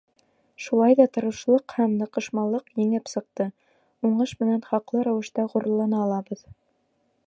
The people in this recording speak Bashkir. Шулай ҙа тырышлыҡ һәм ныҡышмаллыҡ еңеп сыҡты: уңыш менән хаҡлы рәүештә ғорурлана алабыҙ.